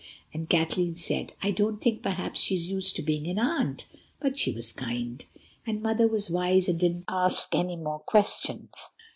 And Kathleen said: "I don't think perhaps she's used to being an aunt. But she was kind." And Mother was wise and didn't ask any more questions.